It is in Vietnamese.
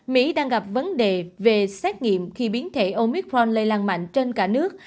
mỹ đang gặp vấn đề về xét nghiệm khi biến thể omitron lây lan mạnh trên cả nước